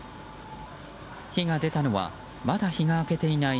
火が出たのはまだ日が明けていない